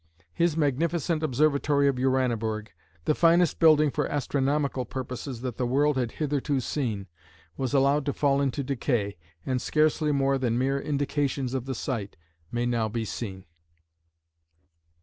His magnificent Observatory of Uraniborg, the finest building for astronomical purposes that the world had hitherto seen, was allowed to fall into decay, and scarcely more than mere indications of the site may now be seen.